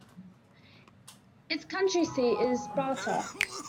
Its county seat is Sparta.